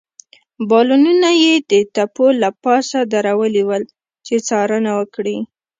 بالونونه يې د تپو له پاسه درولي ول، چې څارنه وکړي.